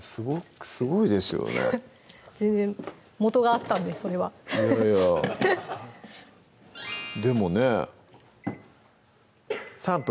すごいですよね全然元があったんでそれはでもね３分？